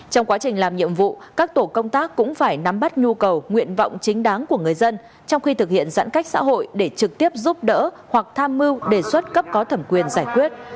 trong quá trình làm nhiệm vụ các tổ công tác cũng phải nắm bắt nhu cầu nguyện vọng chính đáng của người dân trong khi thực hiện giãn cách xã hội để trực tiếp giúp đỡ hoặc tham mưu đề xuất cấp có thẩm quyền giải quyết